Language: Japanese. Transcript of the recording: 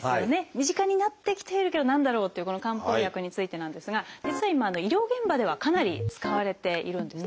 身近になってきているけど何だろうっていうこの漢方薬についてなんですが実は今医療現場ではかなり使われているんですね。